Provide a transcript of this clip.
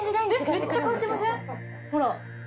ほら。